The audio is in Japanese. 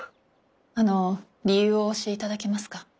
あの理由をお教えいただけますか？